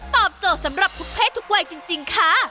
ตอบโจทย์สำหรับทุกเพศทุกวัยจริงค่ะ